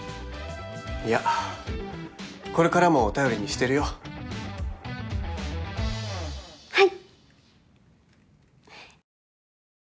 いやこれからも頼りにしてるよはい！